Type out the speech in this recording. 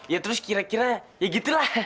ya terus kira kira ya gitu lah